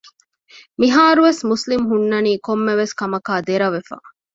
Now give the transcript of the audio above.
މިހާރުވެސް މުސްލިމް ހުންނަނީ ކޮންމެވެސް ކަމަކާއި ދެރަވެފަ